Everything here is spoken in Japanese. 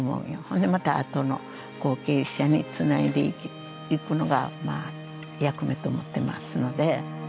ほんでまたあとの後継者につないでいくのが役目と思ってますので。